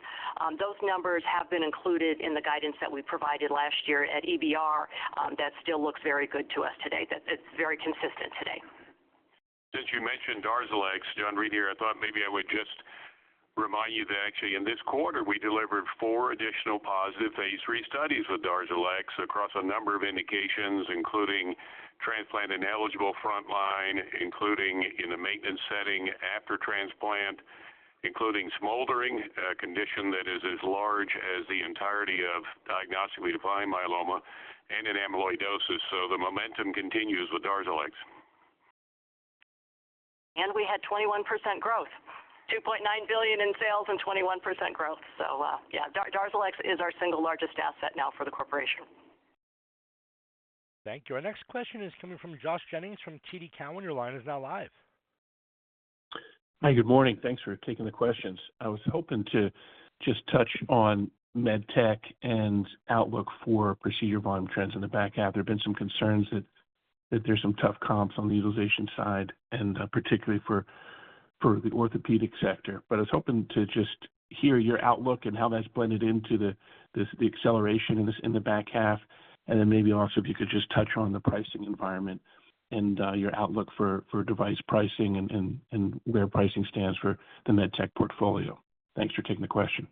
those numbers have been included in the guidance that we provided last year at EBR. That still looks very good to us today. It's very consistent today. Since you mentioned DARZALEX, John Reed here, I thought maybe I would just remind you that actually in this quarter, we delivered four additional positive phase III studies with DARZALEX across a number of indications, including transplant and eligible frontline, including in a maintenance setting after transplant, including smoldering condition that is as large as the entirety of diagnostically defined myeloma and in amyloidosis. So the momentum continues with DARZALEX. We had 21% growth, $2.9 billion in sales and 21% growth. So, yeah, DARZALEX is our single largest asset now for the corporation. Thank you. Our next question is coming from Josh Jennings from TD Cowen. Your line is now live. Hi, good morning. Thanks for taking the questions. I was hoping to just touch on MedTech and outlook for procedure volume trends in the back half. There have been some concerns that there's some tough comps on the utilization side, and particularly for the orthopedic sector. But I was hoping to just hear your outlook and how that's blended into the acceleration in the back half. And then maybe also, if you could just touch on the pricing environment and your outlook for device pricing and where pricing stands for the MedTech portfolio? Thanks for taking the question.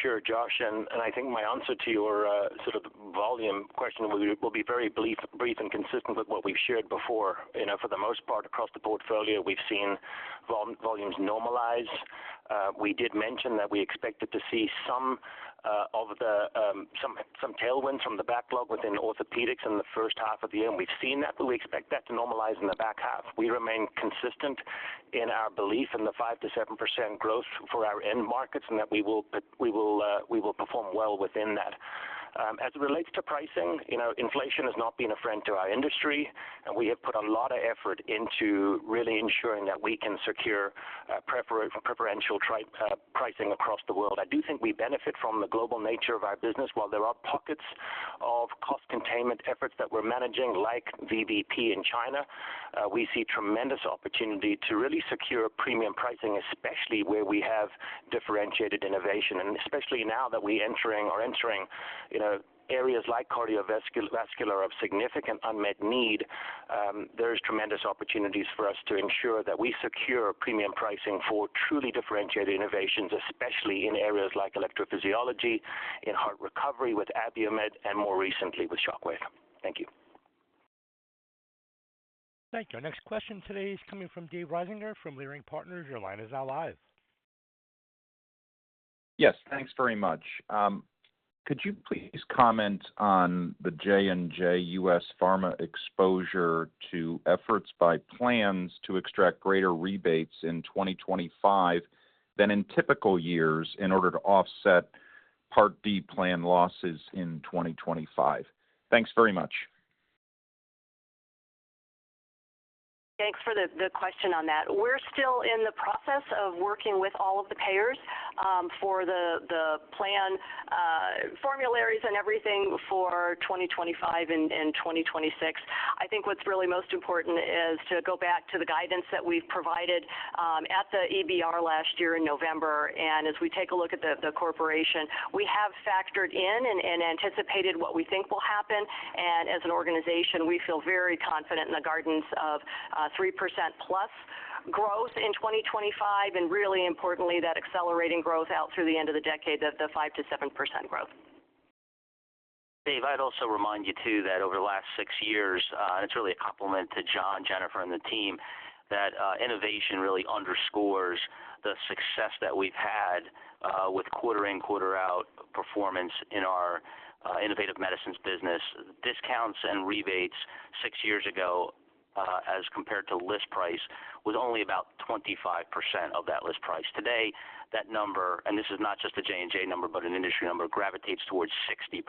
Sure, Josh, and I think my answer to your sort of volume question will be very brief and consistent with what we've shared before. You know, for the most part, across the portfolio, we've seen volumes normalize. We did mention that we expected to see some tailwind from the backlog within orthopedics in the first half of the year, and we've seen that, but we expect that to normalize in the back half. We remain consistent in our belief in the 5%-7% growth for our end markets, and that we will perform well within that. As it relates to pricing, you know, inflation has not been a friend to our industry, and we have put a lot of effort into really ensuring that we can secure preferential pricing across the world. I do think we benefit from the global nature of our business. While there are pockets of cost containment efforts that we're managing, like VBP in China, we see tremendous opportunity to really secure premium pricing, especially where we have differentiated innovation, and especially now that we're entering or are entering areas like cardiovascular, vascular of significant unmet need, there is tremendous opportunities for us to ensure that we secure premium pricing for truly differentiated innovations, especially in areas like electrophysiology, in heart recovery with Abiomed, and more recently with Shockwave. Thank you. Thank you. Our next question today is coming from Dave Risinger from Leerink Partners. Your line is now live. Yes, thanks very much. Could you please comment on the J&J U.S. pharma exposure to efforts by plans to extract greater rebates in 2025 than in typical years in order to offset Part D plan losses in 2025? Thanks very much. Thanks for the question on that. We're still in the process of working with all of the payers for the plan formularies and everything for 2025 and 2026. I think what's really most important is to go back to the guidance that we've provided at the EBR last year in November. And as we take a look at the corporation, we have factored in and anticipated what we think will happen. And as an organization, we feel very confident in the guidance of 3%+ growth in 2025, and really importantly, that accelerating growth out through the end of the decade, the 5%-7% growth. Dave, I'd also remind you too, that over the last six years, and it's really a compliment to John, Jennifer, and the team, that, innovation really underscores the success that we've had, with quarter in, quarter out performance in our, Innovative Medicines business. Discounts and rebates six years ago, as compared to list price, was only about 25% of that list price. Today, that number, and this is not just a J&J number, but an industry number, gravitates towards 60%.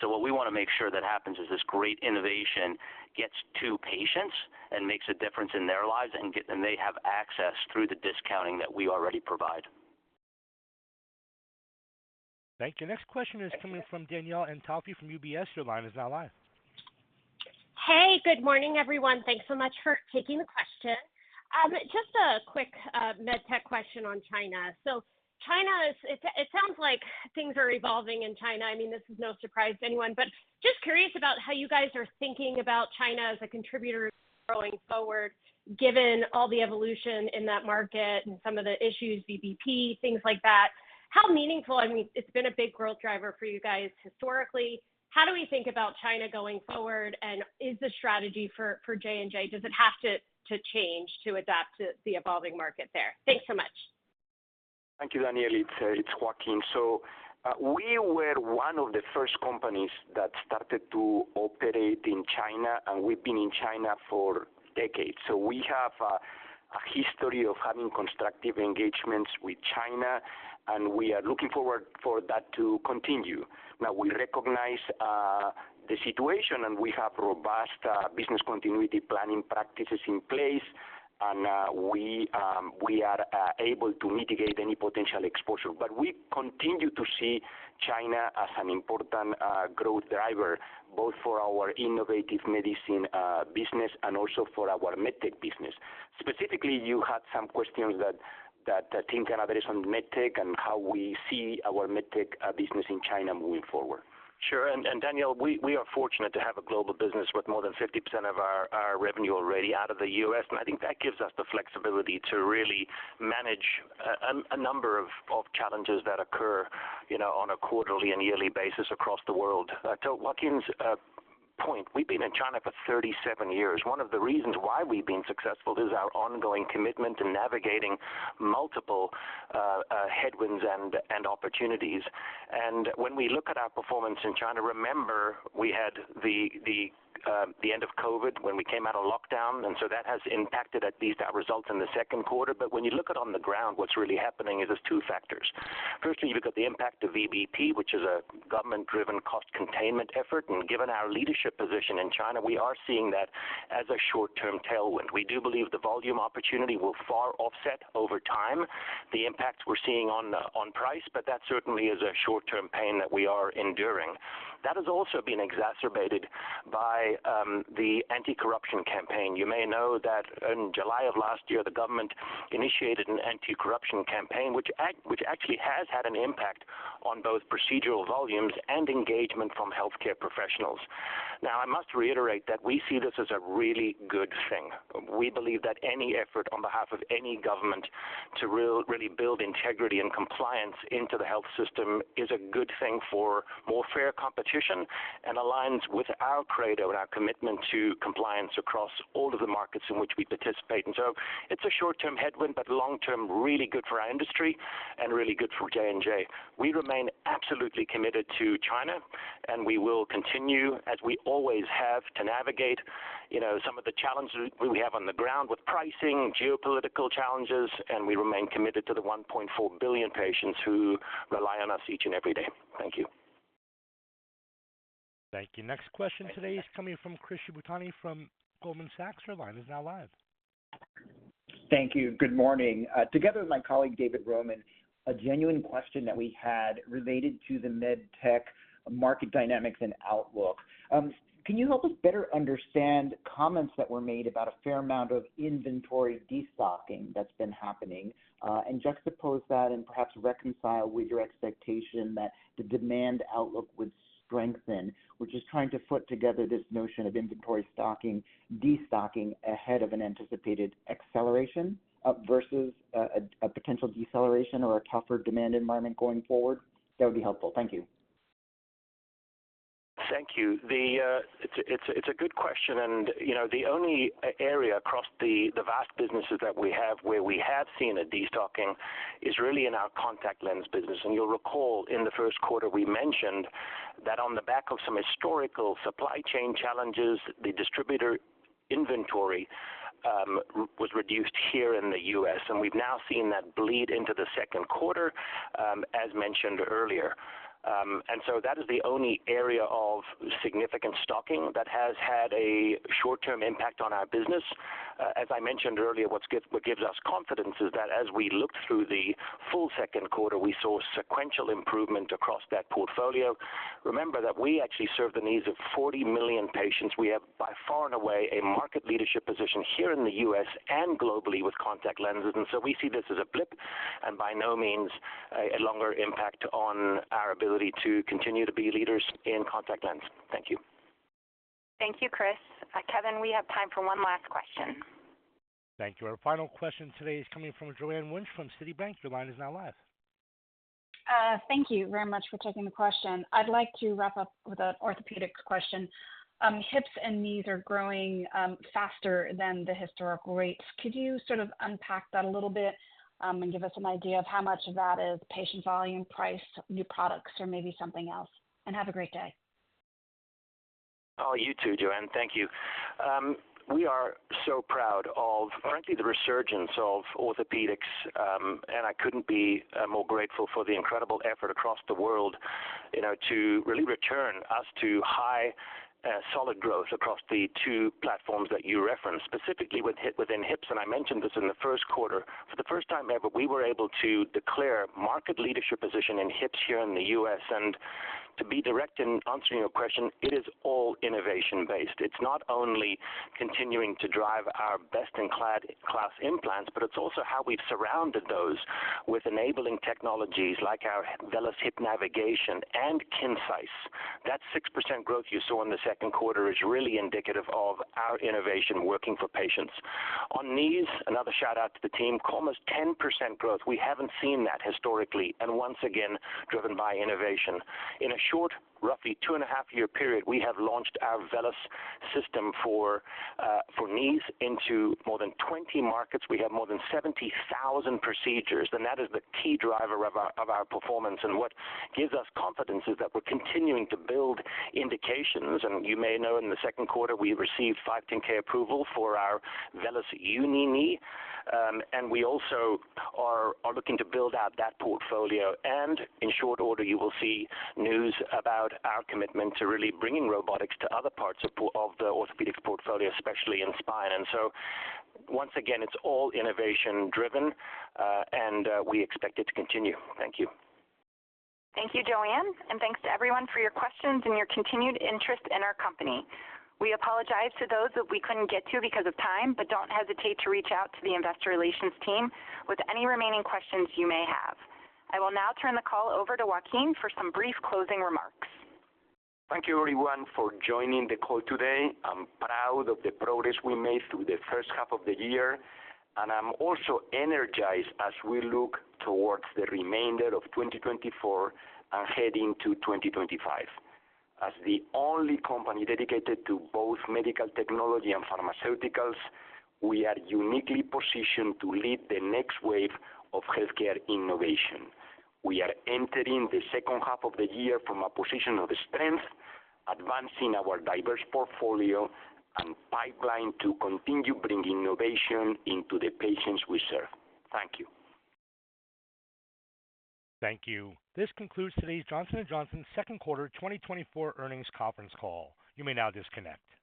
So what we wanna make sure that happens is this great innovation gets to patients and makes a difference in their lives, and they have access through the discounting that we already provide. Thank you. Next question is coming from Danielle Antalffy from UBS. Your line is now live. Hey, good morning, everyone. Thanks so much for taking the question. Just a quick MedTech question on China. So China, it sounds like things are evolving in China. I mean, this is no surprise to anyone, but just curious about how you guys are thinking about China as a contributor going forward, given all the evolution in that market and some of the issues, VBP, things like that. How meaningful, I mean, it's been a big growth driver for you guys historically. How do we think about China going forward, and is the strategy for J&J, does it have to change to adapt to the evolving market there? Thanks so much. Thank you, Danielle. It's Joaquin. So, we were one of the first companies that started to operate in China, and we've been in China for decades. So we have a history of having constructive engagements with China, and we are looking forward for that to continue. Now, we recognize the situation, and we have robust business continuity planning practices in place, and we are able to mitigate any potential exposure. But we continue to see China as an important growth driver, both for our Innovative Medicine business and also for our MedTech business. Specifically, you had some questions that I think are based on MedTech and how we see our MedTech business in China moving forward. Sure. And Danielle, we are fortunate to have a global business with more than 50% of our revenue already out of the U.S., and I think that gives us the flexibility to really manage a number of challenges that occur, you know, on a quarterly and yearly basis across the world. To Joaquin's point, we've been in China for 37 years. One of the reasons why we've been successful is our ongoing commitment to navigating multiple headwinds and opportunities. And when we look at our performance in China, remember, we had the end of COVID when we came out of lockdown, and so that has impacted at least our results in the second quarter. But when you look at on the ground, what's really happening is there's two factors. Firstly, you've got the impact of VBP, which is a government-driven cost containment effort, and given our leadership position in China, we are seeing that as a short-term tailwind. We do believe the volume opportunity will far offset over time the impacts we're seeing on price, but that certainly is a short-term pain that we are enduring. That has also been exacerbated by the anti-corruption campaign. You may know that in July of last year, the government initiated an anti-corruption campaign, which actually has had an impact on both procedural volumes and engagement from healthcare professionals. Now, I must reiterate that we see this as a really good thing. We believe that any effort on behalf of any government to really build integrity and compliance into the health system is a good thing for more fair competition and aligns with our Credo and our commitment to compliance across all of the markets in which we participate. And so it's a short-term headwind, but long term, really good for our industry and really good for J&J. We remain absolutely committed to China, and we will continue, as we always have, to navigate, you know, some of the challenges we have on the ground with pricing, geopolitical challenges, and we remain committed to the 1.4 billion patients who rely on us each and every day. Thank you. Thank you. Next question today is coming from Chris Shibutani from Goldman Sachs. Your line is now live. Thank you. Good morning. Together with my colleague, David Roman, a genuine question that we had related to the MedTech market dynamics and outlook. Can you help us better understand comments that were made about a fair amount of inventory destocking that's been happening, and juxtapose that and perhaps reconcile with your expectation that the demand outlook would strengthen? We're just trying to put together this notion of inventory stocking, destocking ahead of an anticipated acceleration, versus a potential deceleration or a tougher demand environment going forward? That would be helpful. Thank you. Thank you. It's a good question, and, you know, the only area across the vast businesses that we have, where we have seen a destocking, is really in our contact lens business. And you'll recall, in the first quarter, we mentioned that on the back of some historical supply chain challenges, the distributor inventory was reduced here in the U.S., and we've now seen that bleed into the second quarter, as mentioned earlier. And so that is the only area of significant stocking that has had a short-term impact on our business. As I mentioned earlier, what gives us confidence is that as we looked through the full second quarter, we saw sequential improvement across that portfolio. Remember that we actually serve the needs of 40 million patients. We have, by far and away, a market leadership position here in the U.S. and globally with contact lenses, and so we see this as a blip and by no means, a longer impact on our ability to continue to be leaders in contact lens. Thank you. Thank you, Chris. Kevin, we have time for one last question. Thank you. Our final question today is coming from Joanne Wuensch from Citibank. Your line is now live. Thank you very much for taking the question. I'd like to wrap up with an Orthopedics question. Hips and knees are growing faster than the historical rates. Could you sort of unpack that a little bit, and give us an idea of how much of that is patient volume, price, new products, or maybe something else? Have a great day. Oh, you too, Joanne. Thank you. We are so proud of frankly, the resurgence of orthopedics, and I couldn't be more grateful for the incredible effort across the world, you know, to really return us to high, solid growth across the two platforms that you referenced, specifically within hips, and I mentioned this in the first quarter. For the first time ever, we were able to declare market leadership position in hips here in the U.S. And to be direct in answering your question, it is all innovation-based. It's not only continuing to drive our best-in-class implants, but it's also how we've surrounded those with enabling technologies like our VELYS Hip Navigation and KINCISE. That 6% growth you saw in the second quarter is really indicative of our innovation working for patients. On knees, another shout-out to the team, almost 10% growth. We haven't seen that historically, and once again, driven by innovation. In a short, roughly 2.5-year period, we have launched our VELYS system for knees into more than 20 markets. We have more than 70,000 procedures, and that is the key driver of our performance. What gives us confidence is that we're continuing to build indications. You may know, in the second quarter, we received 510(k) approval for our VELYS Uni Knee, and we also are looking to build out that portfolio. In short order, you will see news about our commitment to really bringing robotics to other parts of the Orthopedics portfolio, especially in spine. And so once again, it's all innovation driven, and we expect it to continue. Thank you. Thank you, Joanne, and thanks to everyone for your questions and your continued interest in our company. We apologize to those that we couldn't get to because of time, but don't hesitate to reach out to the Investor Relations team with any remaining questions you may have. I will now turn the call over to Joaquin for some brief closing remarks. Thank you, everyone, for joining the call today. I'm proud of the progress we made through the first half of the year, and I'm also energized as we look towards the remainder of 2024 and heading to 2025. As the only company dedicated to both medical technology and pharmaceuticals, we are uniquely positioned to lead the next wave of healthcare innovation. We are entering the second half of the year from a position of strength, advancing our diverse portfolio and pipeline to continue bringing innovation into the patients we serve. Thank you. Thank you. This concludes today's Johnson & Johnson second quarter 2024 earnings conference call. You may now disconnect.